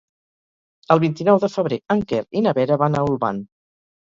El vint-i-nou de febrer en Quer i na Vera van a Olvan.